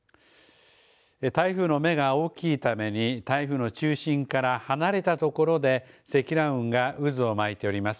台風の目が大きいために台風の中心から離れた所で積乱雲が渦を巻いております。